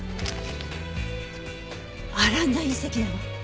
アランダ隕石だわ。